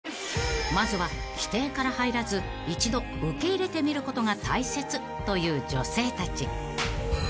［まずは否定から入らず一度受け入れてみることが大切という女性たち］